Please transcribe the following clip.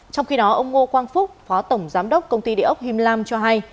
trong khi đó ông ngô quang phúc phó tổng giám đốc công ty địa ốc him lam cho hay